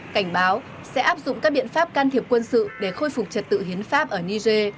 cảnh báo sẽ áp dụng các biện pháp can thiệp quân sự để khôi phục trật tự hiến pháp ở niger